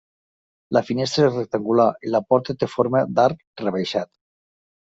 La finestra és rectangular i la porta té forma d'arc rebaixat.